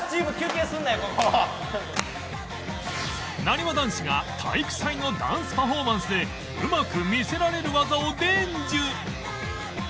なにわ男子が体育祭のダンスパフォーマンスでうまく見せられる技を伝授！